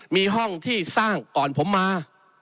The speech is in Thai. มีห้องที่สร้างก่อนผมมา